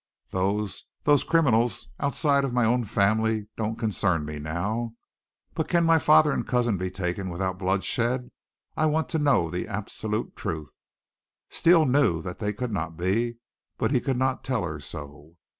"Those those criminals outside of my own family don't concern me now. But can my father and cousin be taken without bloodshed? I want to know the absolute truth." Steele knew that they could not be, but he could not tell her so.